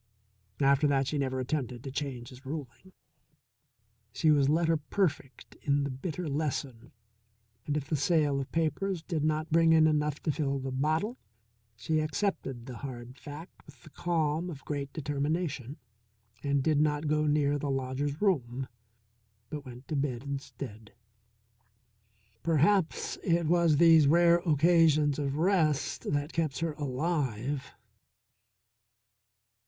After that she never attempted to change his ruling. She was letter perfect in the bitter lesson, and if the sale of papers did not bring in enough to fill the bottle, she accepted the hard fact with the calm of great determination and did not go near the lodger's room, but went to bed instead. Perhaps it was these rare occasions of rest that kept her alive.